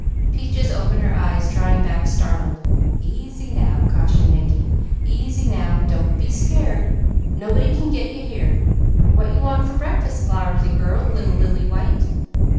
Peaches opened her eyes, drawing back startled. "Easy now!" cautioned Mickey. "Easy now! Don't be scared. Nobody can 'get' you here! What you want for breakfast, Flowersy girl? Little Lily white."